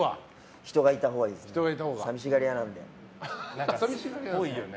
人がいたほうがいいですね。